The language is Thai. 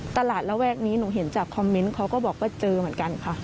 ระแวกนี้หนูเห็นจากคอมเมนต์เขาก็บอกว่าเจอเหมือนกันค่ะ